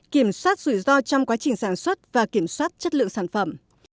kiểm soát rủi ro trong quá trình sản xuất và kiểm soát chất lượng sản phẩm